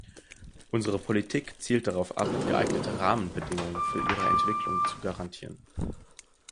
Unsere Politik zielt darauf ab, geeignete Rahmenbedingungen für ihre Entwicklung zu garantieren.